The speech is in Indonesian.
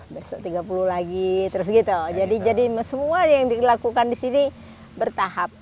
besok tiga puluh besok tiga puluh lagi terus gitu jadi jadi semua yang dilakukan disini bertahap